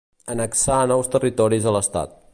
Annexar nous territoris a l'estat.